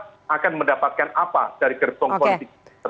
mereka akan mendapatkan apa dari kartu politik tersebut